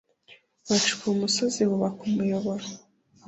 Bacukuye umusozi bubaka umuyoboro.